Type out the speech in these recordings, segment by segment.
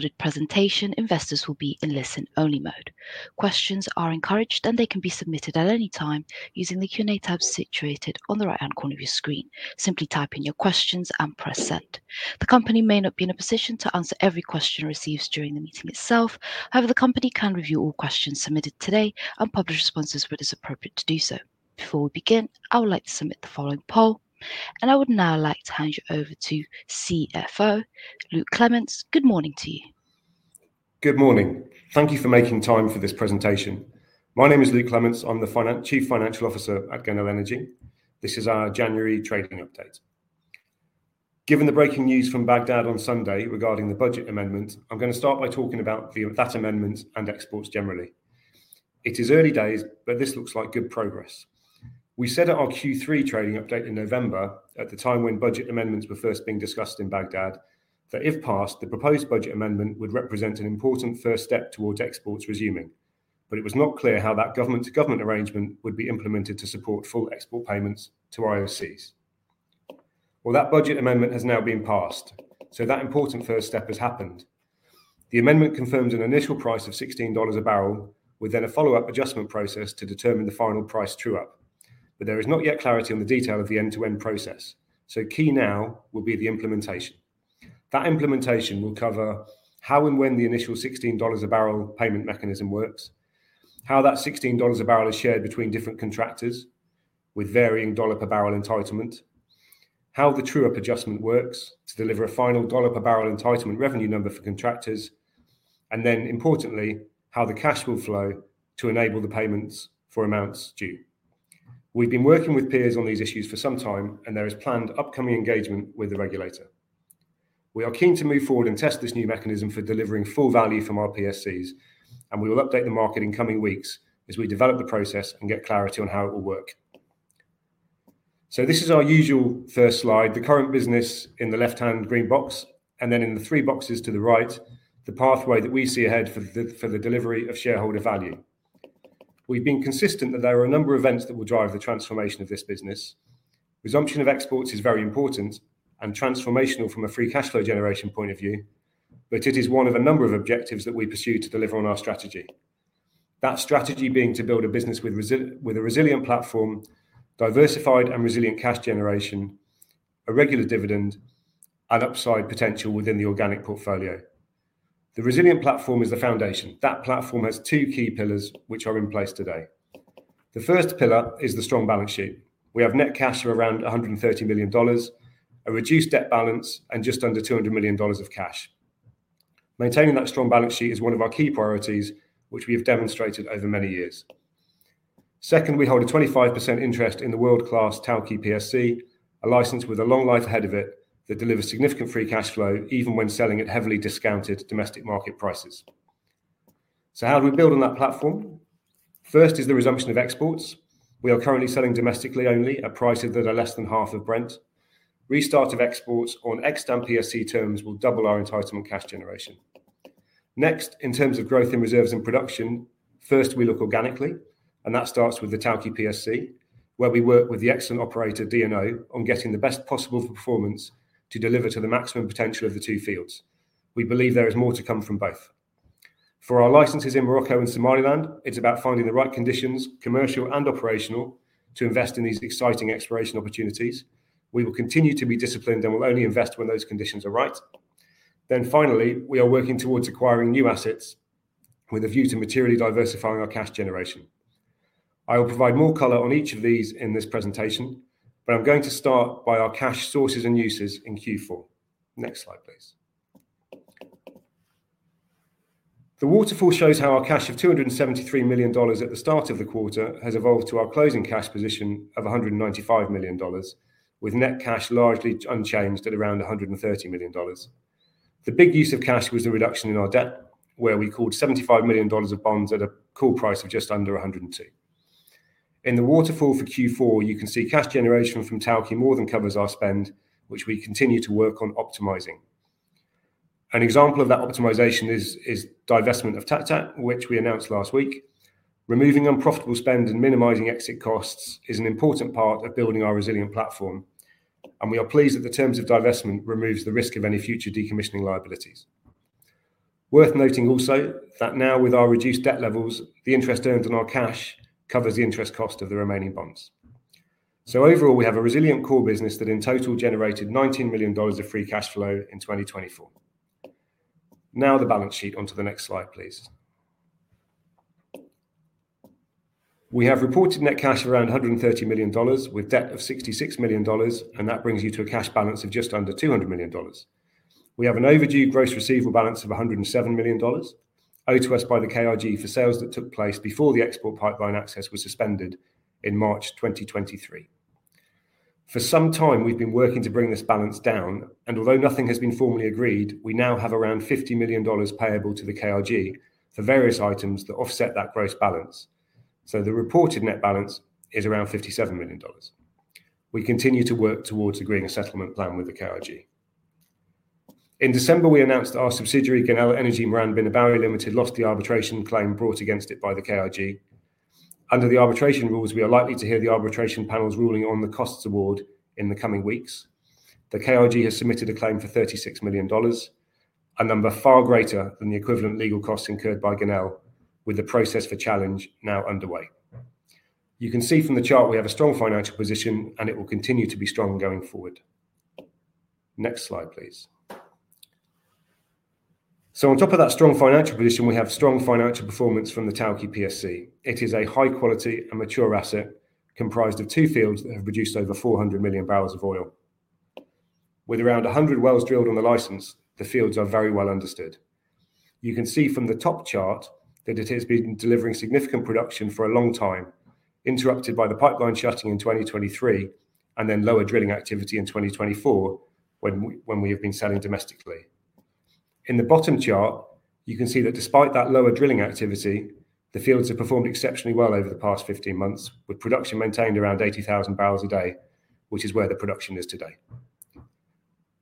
Recorded presentation. Investors will be in listen-only mode. Questions are encouraged, and they can be submitted at any time using the Q&A tab situated on the right-hand corner of your screen. Simply type in your questions and press send. The company may not be in a position to answer every question received during the meeting itself. However, the company can review all questions submitted today and publish responses where it is appropriate to do so. Before we begin, I would like to submit the following poll, and I would now like to hand you over to CFO Luke Clements. Good morning to you. Good morning. Thank you for making time for this presentation. My name is Luke Clements. I'm the Chief Financial Officer at Genel Energy. This is our January trading update. Given the breaking news from Baghdad on Sunday regarding the budget amendment, I'm going to start by talking about that amendment and exports generally. It is early days, but this looks like good progress. We said at our Q3 trading update in November, at the time when budget amendments were first being discussed in Baghdad, that if passed, the proposed budget amendment would represent an important first step towards exports resuming, but it was not clear how that government-to-government arrangement would be implemented to support full export payments to IOCs. Well, that budget amendment has now been passed, so that important first step has happened. The amendment confirms an initial price of $16 a barrel, with then a follow-up adjustment process to determine the final price true-up, but there is not yet clarity on the detail of the end-to-end process, so key now will be the implementation. That implementation will cover how and when the initial $16 a barrel payment mechanism works, how that $16 a barrel is shared between different contractors with varying dollar per barrel entitlement, how the true-up adjustment works to deliver a final dollar per barrel entitlement revenue number for contractors, and then, importantly, how the cash will flow to enable the payments for amounts due. We've been working with peers on these issues for some time, and there is planned upcoming engagement with the regulator. We are keen to move forward and test this new mechanism for delivering full value from our PSCs, and we will update the market in coming weeks as we develop the process and get clarity on how it will work. So this is our usual first slide, the current business in the left-hand green box, and then in the three boxes to the right, the pathway that we see ahead for the delivery of shareholder value. We've been consistent that there are a number of events that will drive the transformation of this business. Resumption of exports is very important and transformational from a free cash flow generation point of view, but it is one of a number of objectives that we pursue to deliver on our strategy. That strategy being to build a business with a resilient platform, diversified and resilient cash generation, a regular dividend, and upside potential within the organic portfolio. The resilient platform is the foundation. That platform has two key pillars which are in place today. The first pillar is the strong balance sheet. We have net cash of around $130 million, a reduced debt balance, and just under $200 million of cash. Maintaining that strong balance sheet is one of our key priorities, which we have demonstrated over many years. Second, we hold a 25% interest in the world-class Tawke PSC, a license with a long life ahead of it that delivers significant free cash flow even when selling at heavily discounted domestic market prices. So how do we build on that platform? First is the resumption of exports. We are currently selling domestically only at prices that are less than half of Brent. Restart of exports on extant PSC terms will double our entitlement cash generation. Next, in terms of growth in reserves and production, first we look organically, and that starts with the Tawke PSC, where we work with the excellent operator DNO on getting the best possible performance to deliver to the maximum potential of the two fields. We believe there is more to come from both. For our licenses in Morocco and Somaliland, it's about finding the right conditions, commercial and operational, to invest in these exciting exploration opportunities. We will continue to be disciplined and will only invest when those conditions are right. Then finally, we are working towards acquiring new assets with a view to materially diversifying our cash generation. I will provide more color on each of these in this presentation, but I'm going to start by our cash sources and uses in Q4. Next slide, please. The waterfall shows how our cash of $273 million at the start of the quarter has evolved to our closing cash position of $195 million, with net cash largely unchanged at around $130 million. The big use of cash was the reduction in our debt, where we called $75 million of bonds at a call price of just under $102. In the waterfall for Q4, you can see cash generation from Tawke more than covers our spend, which we continue to work on optimizing. An example of that optimization is divestment of Taq Taq, which we announced last week. Removing unprofitable spend and minimizing exit costs is an important part of building our resilient platform, and we are pleased that the terms of divestment remove the risk of any future decommissioning liabilities. Worth noting also that now, with our reduced debt levels, the interest earned on our cash covers the interest cost of the remaining bonds. So overall, we have a resilient core business that in total generated $19 million of free cash flow in 2024. Now, the balance sheet onto the next slide, please. We have reported net cash around $130 million, with debt of $66 million, and that brings you to a cash balance of just under $200 million. We have an overdue gross receivable balance of $107 million, owed to us by the KRG for sales that took place before the export pipeline access was suspended in March 2023. For some time, we've been working to bring this balance down, and although nothing has been formally agreed, we now have around $50 million payable to the KRG for various items that offset that gross balance. So the reported net balance is around $57 million. We continue to work towards agreeing a settlement plan with the KRG. In December, we announced that our subsidiary, Genel Energy Miran Bina Bawi Limited, lost the arbitration claim brought against it by the KRG. Under the arbitration rules, we are likely to hear the arbitration panel's ruling on the costs award in the coming weeks. The KRG has submitted a claim for $36 million, a number far greater than the equivalent legal costs incurred by Genel, with the process for challenge now underway. You can see from the chart we have a strong financial position, and it will continue to be strong going forward. Next slide, please. So on top of that strong financial position, we have strong financial performance from the Tawke PSC. It is a high-quality and mature asset comprised of two fields that have produced over 400 million barrels of oil. With around 100 wells drilled on the license, the fields are very well understood. You can see from the top chart that it has been delivering significant production for a long time, interrupted by the pipeline shutting in 2023 and then lower drilling activity in 2024 when we have been selling domestically. In the bottom chart, you can see that despite that lower drilling activity, the fields have performed exceptionally well over the past 15 months, with production maintained around 80,000 barrels a day, which is where the production is today.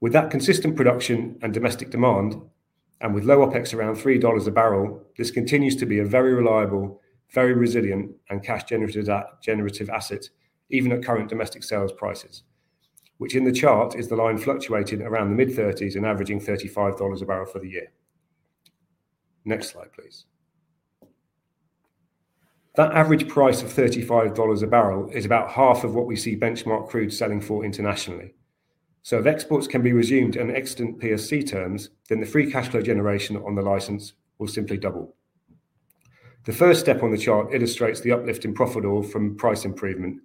With that consistent production and domestic demand, and with low OPEX around $3 a barrel, this continues to be a very reliable, very resilient, and cash-generative asset, even at current domestic sales prices, which in the chart is the line fluctuating around the mid-30s and averaging $35 a barrel for the year. Next slide, please. That average price of $35 a barrel is about half of what we see benchmark crude selling for internationally. So if exports can be resumed in excellent PSC terms, then the free cash flow generation on the license will simply double. The first step on the chart illustrates the uplift in profit or from price improvement,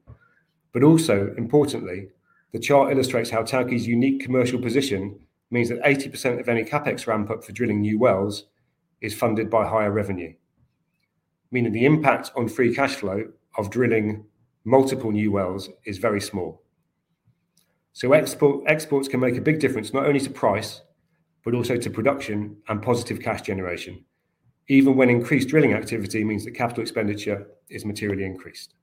but also, importantly, the chart illustrates how Tawke's unique commercial position means that 80% of any CAPEX ramp-up for drilling new wells is funded by higher revenue, meaning the impact on free cash flow of drilling multiple new wells is very small. So exports can make a big difference not only to price, but also to production and positive cash generation, even when increased drilling activity means that capital expenditure is materially increased.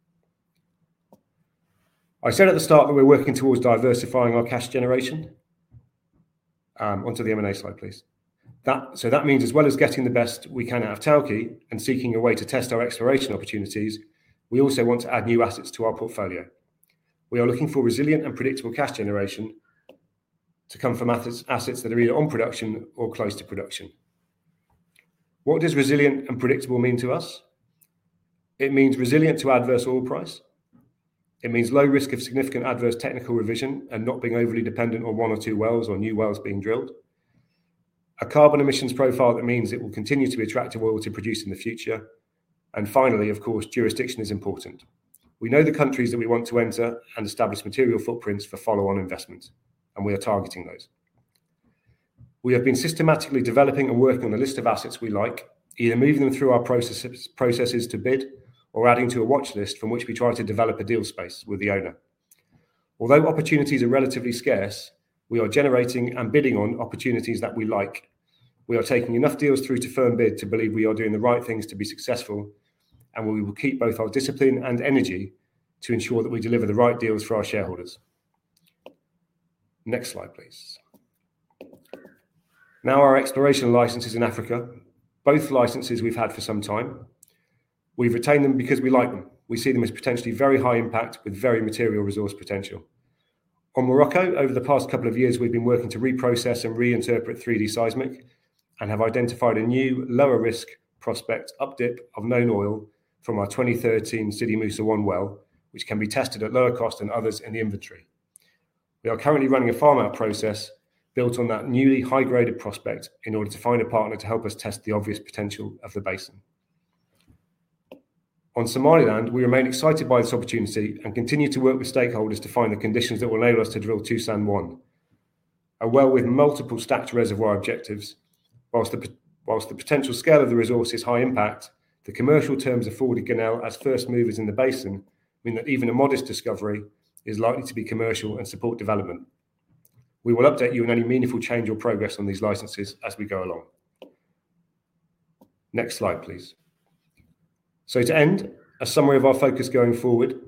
I said at the start that we're working towards diversifying our cash generation. Onto the M&A slide, please. So that means as well as getting the best we can out of Tawke and seeking a way to test our exploration opportunities, we also want to add new assets to our portfolio. We are looking for resilient and predictable cash generation to come from assets that are either on production or close to production. What does resilient and predictable mean to us? It means resilient to adverse oil price. It means low risk of significant adverse technical revision and not being overly dependent on one or two wells or new wells being drilled. A carbon emissions profile that means it will continue to be attractive oil to produce in the future, and finally, of course, jurisdiction is important. We know the countries that we want to enter and establish material footprints for follow-on investment, and we are targeting those. We have been systematically developing and working on a list of assets we like, either moving them through our processes to bid or adding to a watch list from which we try to develop a deal space with the owner. Although opportunities are relatively scarce, we are generating and bidding on opportunities that we like. We are taking enough deals through to firm bid to believe we are doing the right things to be successful, and we will keep both our discipline and energy to ensure that we deliver the right deals for our shareholders. Next slide, please. Now our exploration licenses in Africa, both licenses we've had for some time. We've retained them because we like them. We see them as potentially very high impact with very material resource potential. On Morocco, over the past couple of years, we've been working to reprocess and reinterpret 3D seismic and have identified a new lower-risk prospect updip of known oil from our 2013 Sidi Moussa-1 well, which can be tested at lower cost than others in the inventory. We are currently running a farm-out process built on that newly high-graded prospect in order to find a partner to help us test the obvious potential of the basin. On Somaliland, we remain excited by this opportunity and continue to work with stakeholders to find the conditions that will enable us to drill Toosan-1, a well with multiple stacked reservoir objectives. Whilst the potential scale of the resource is high impact, the commercial terms afforded Genel as first movers in the basin mean that even a modest discovery is likely to be commercial and support development. We will update you on any meaningful change or progress on these licenses as we go along. Next slide, please. So to end, a summary of our focus going forward.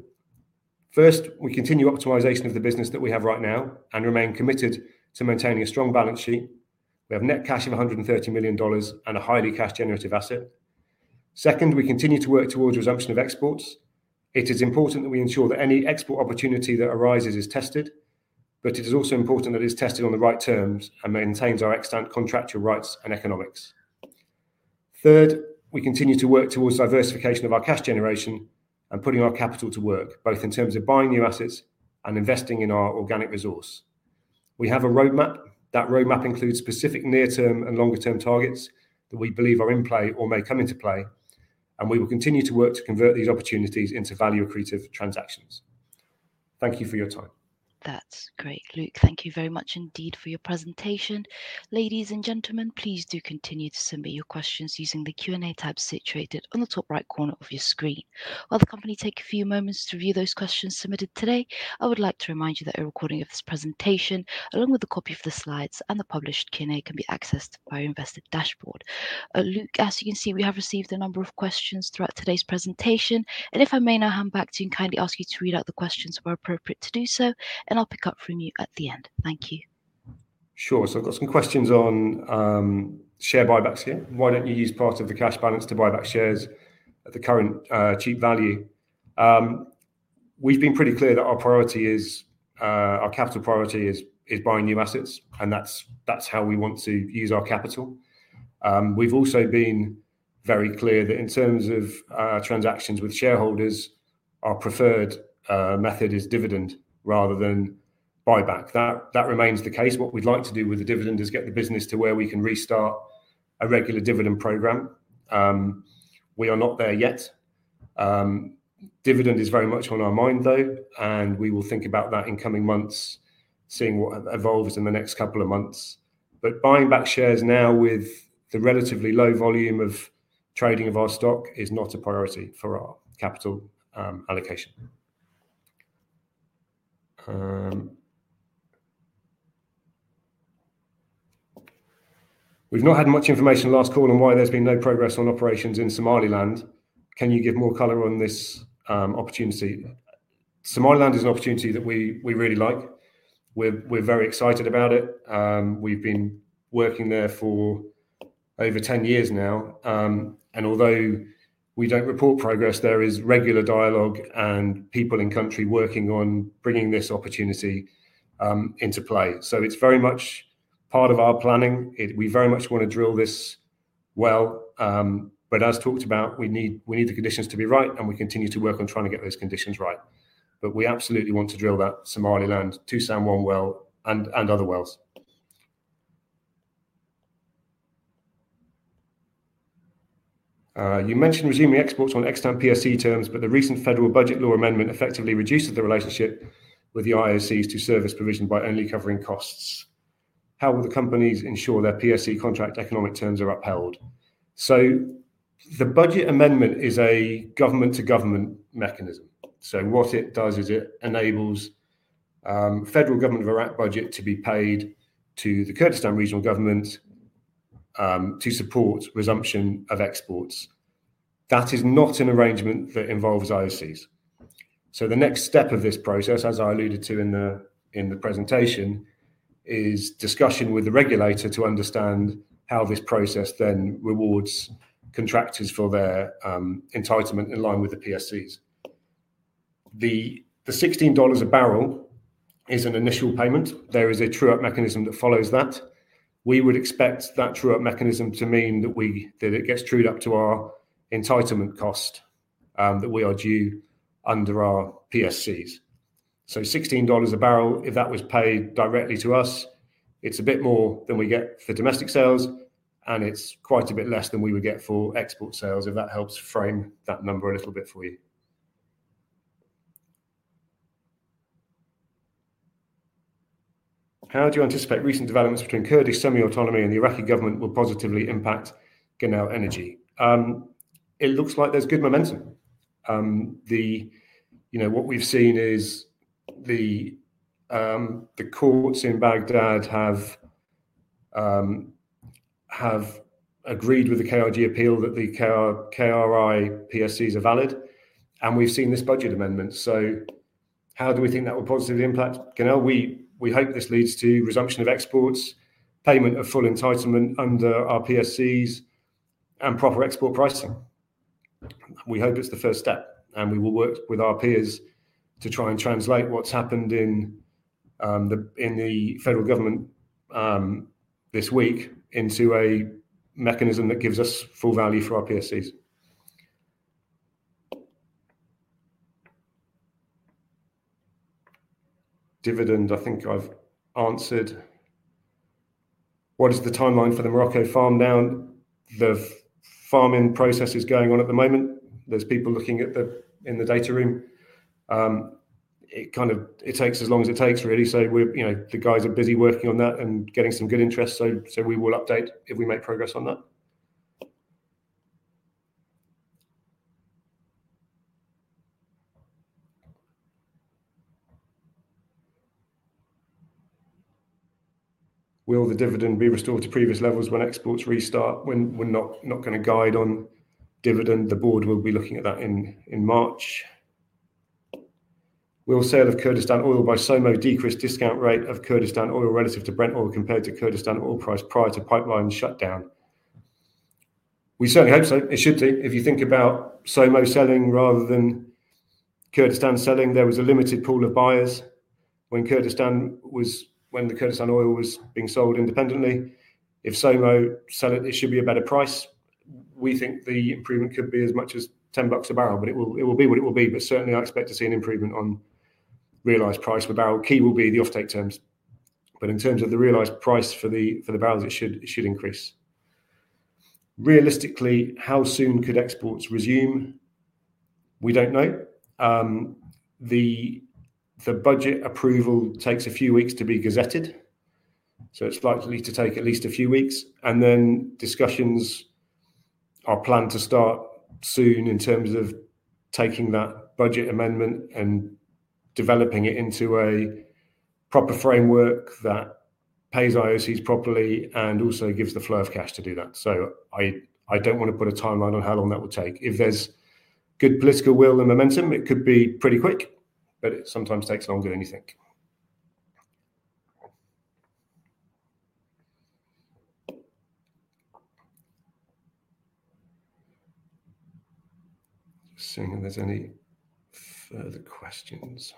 First, we continue optimization of the business that we have right now and remain committed to maintaining a strong balance sheet. We have net cash of $130 million and a highly cash-generative asset. Second, we continue to work towards resumption of exports. It is important that we ensure that any export opportunity that arises is tested, but it is also important that it is tested on the right terms and maintains our extant contractual rights and economics. Third, we continue to work towards diversification of our cash generation and putting our capital to work, both in terms of buying new assets and investing in our organic resource. We have a roadmap. That roadmap includes specific near-term and longer-term targets that we believe are in play or may come into play, and we will continue to work to convert these opportunities into value-accretive transactions. Thank you for your time. That's great, Luke. Thank you very much indeed for your presentation. Ladies and gentlemen, please do continue to submit your questions using the Q&A tab situated on the top right corner of your screen. While the company takes a few moments to review those questions submitted today, I would like to remind you that a recording of this presentation, along with a copy of the slides and the published Q&A, can be accessed via Investor Dashboard. Luke, as you can see, we have received a number of questions throughout today's presentation, and if I may now hand back to you and kindly ask you to read out the questions where appropriate to do so, and I'll pick up from you at the end. Thank you. Sure. So I've got some questions on share buybacks here. Why don't you use part of the cash balance to buy back shares at the current cheap value? We've been pretty clear that our capital priority is buying new assets, and that's how we want to use our capital. We've also been very clear that in terms of transactions with shareholders, our preferred method is dividend rather than buyback. That remains the case. What we'd like to do with the dividend is get the business to where we can restart a regular dividend program. We are not there yet. Dividend is very much on our mind, though, and we will think about that in coming months, seeing what evolves in the next couple of months. But buying back shares now with the relatively low volume of trading of our stock is not a priority for our capital allocation. We've not had much information last call on why there's been no progress on operations in Somaliland. Can you give more color on this opportunity? Somaliland is an opportunity that we really like. We're very excited about it. We've been working there for over 10 years now, and although we don't report progress, there is regular dialogue and people in country working on bringing this opportunity into play. So it's very much part of our planning. We very much want to drill this well, but as talked about, we need the conditions to be right, and we continue to work on trying to get those conditions right. But we absolutely want to drill that Somaliland, Toosan-1 well, and other wells. You mentioned resuming exports on extant PSC terms, but the recent federal budget law amendment effectively reduced the relationship with the IOCs to service provisioned by only covering costs. How will the companies ensure their PSC contract economic terms are upheld? So the budget amendment is a government-to-government mechanism. So what it does is it enables Federal Government of Iraq budget to be paid to the Kurdistan Regional Government to support resumption of exports. That is not an arrangement that involves IOCs. So the next step of this process, as I alluded to in the presentation, is discussion with the regulator to understand how this process then rewards contractors for their entitlement in line with the PSCs. The $16 a barrel is an initial payment. There is a true-up mechanism that follows that. We would expect that true-up mechanism to mean that it gets trued up to our entitlement cost that we are due under our PSCs. So $16 a barrel, if that was paid directly to us, it's a bit more than we get for domestic sales, and it's quite a bit less than we would get for export sales, if that helps frame that number a little bit for you. How do you anticipate recent developments between Kurdistan semi-autonomy and the Iraqi government will positively impact Genel Energy? It looks like there's good momentum. What we've seen is the courts in Baghdad have agreed with the KRG appeal that the KRI PSCs are valid, and we've seen this budget amendment. So how do we think that will positively impact Genel? We hope this leads to resumption of exports, payment of full entitlement under our PSCs, and proper export pricing. We hope it's the first step, and we will work with our peers to try and translate what's happened in the federal government this week into a mechanism that gives us full value for our PSCs. Dividend, I think I've answered. What is the timeline for the Morocco farm-out now? The farm-out process is going on at the moment. There's people looking at the data room. It takes as long as it takes, really. So the guys are busy working on that and getting some good interest. So we will update if we make progress on that. Will the dividend be restored to previous levels when exports restart? We're not going to guide on dividend. The board will be looking at that in March. Will sale of Kurdistan oil by SOMO decrease discount rate of Kurdistan oil relative to Brent oil compared to Kurdistan oil price prior to pipeline shutdown? We certainly hope so. It should be. If you think about SOMO selling rather than Kurdistan selling, there was a limited pool of buyers when the Kurdistan oil was being sold independently. If SOMO sell it, it should be a better price. We think the improvement could be as much as $10 a barrel, but it will be what it will be. But certainly, I expect to see an improvement on realized price for barrel. Key will be the offtake terms. But in terms of the realized price for the barrels, it should increase. Realistically, how soon could exports resume? We don't know. The budget approval takes a few weeks to be gazetted. So it's likely to take at least a few weeks. And then discussions are planned to start soon in terms of taking that budget amendment and developing it into a proper framework that pays IOCs properly and also gives the flow of cash to do that. So I don't want to put a timeline on how long that will take. If there's good political will and momentum, it could be pretty quick, but it sometimes takes longer than you think. Just seeing if there's any further questions.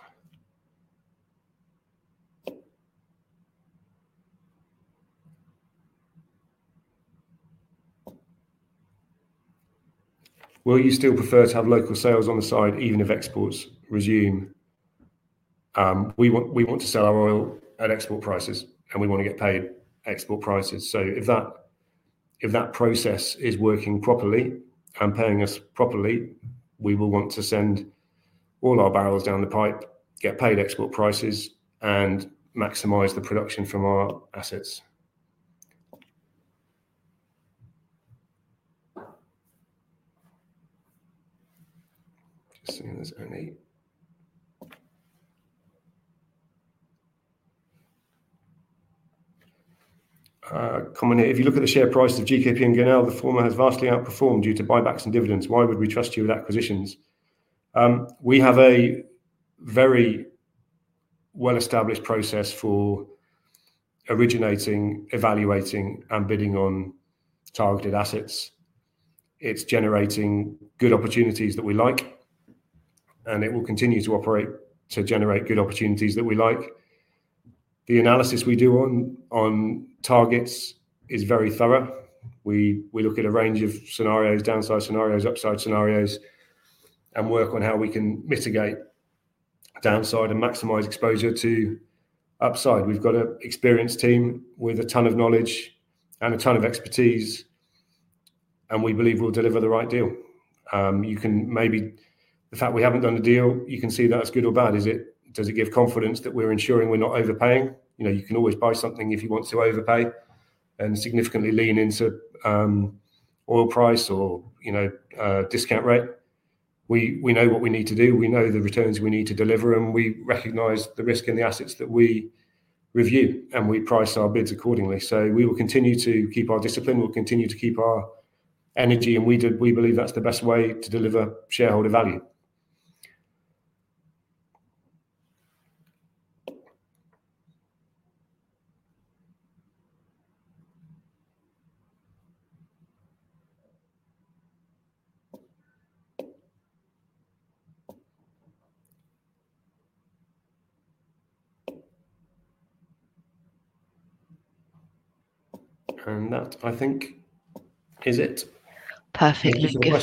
Will you still prefer to have local sales on the side even if exports resume? We want to sell our oil at export prices, and we want to get paid export prices. So if that process is working properly and paying us properly, we will want to send all our barrels down the pipe, get paid export prices, and maximize the production from our assets. Just seeing if there's any. Comment here. If you look at the share price of GKP and Genel, the former has vastly outperformed due to buybacks and dividends. Why would we trust you with acquisitions? We have a very well-established process for originating, evaluating, and bidding on targeted assets. It's generating good opportunities that we like, and it will continue to operate to generate good opportunities that we like. The analysis we do on targets is very thorough. We look at a range of scenarios, downside scenarios, upside scenarios, and work on how we can mitigate downside and maximize exposure to upside. We've got an experienced team with a ton of knowledge and a ton of expertise, and we believe we'll deliver the right deal. The fact we haven't done a deal, you can see that as good or bad. Does it give confidence that we're ensuring we're not overpaying? You can always buy something if you want to overpay and significantly lean into oil price or discount rate. We know what we need to do. We know the returns we need to deliver, and we recognize the risk in the assets that we review, and we price our bids accordingly. So we will continue to keep our discipline. We'll continue to keep our energy, and we believe that's the best way to deliver shareholder value. And that, I think, is it. Perfect. Luke,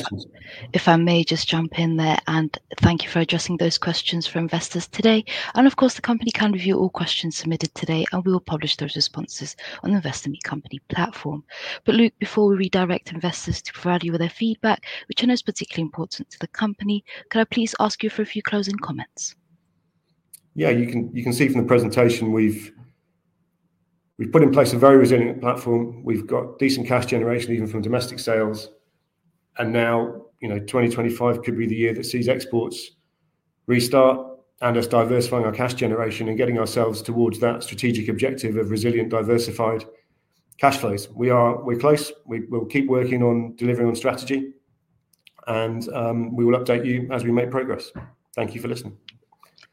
if I may just jump in there and thank you for addressing those questions for investors today. And of course, the company can review all questions submitted today, and we will publish those responses on the Investment Company platform. But Luke, before we redirect investors to provide you with their feedback, which I know is particularly important to the company, could I please ask you for a few closing comments? Yeah, you can see from the presentation we've put in place a very resilient platform. We've got decent cash generation even from domestic sales. And now 2025 could be the year that sees exports restart and us diversifying our cash generation and getting ourselves towards that strategic objective of resilient, diversified cash flows. We're close. We'll keep working on delivering on strategy, and we will update you as we make progress. Thank you for listening.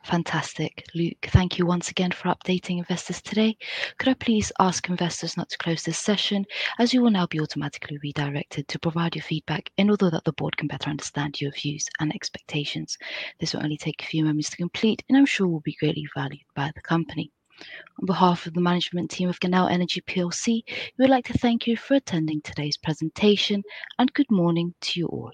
Fantastic. Luke, thank you once again for updating investors today. Could I please ask investors not to close this session, as you will now be automatically redirected to provide your feedback in order that the board can better understand your views and expectations? This will only take a few moments to complete, and I'm sure will be greatly valued by the company. On behalf of the management team of Genel Energy plc, we would like to thank you for attending today's presentation, and good morning to you all.